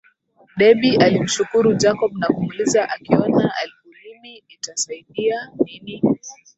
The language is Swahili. Debby alimshukuru Jacob na kumuuliza akiona ulimi itasaidia nini